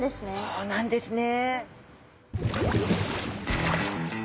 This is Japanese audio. そうなんですね。